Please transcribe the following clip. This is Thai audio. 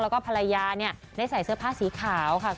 แล้วก็ภรรยาเนี่ยได้ใส่เสื้อผ้าสีขาวค่ะ